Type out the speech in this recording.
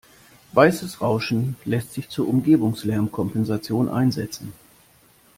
Weißes Rauschen lässt sich zur Umgebungslärmkompensation einsetzen.